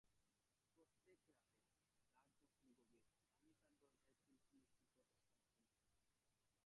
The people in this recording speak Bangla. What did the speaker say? প্রত্যেক রাতে, রােত যখন গভীর, আমি তার দরজার খিল খুলেছি কত সাবধানে।